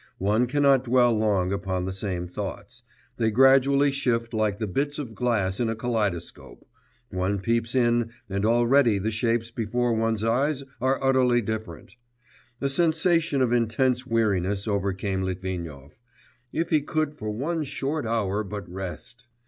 One cannot dwell long upon the same thoughts; they gradually shift like the bits of glass in a kaleidoscope ... one peeps in, and already the shapes before one's eyes are utterly different. A sensation of intense weariness overcame Litvinov.... If he could for one short hour but rest!...